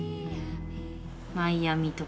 マイアミとか。